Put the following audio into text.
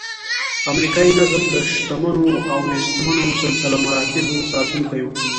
امریکایي نظم د شتمنو او نیستمنو سلسله مراتبو ساتونکی و.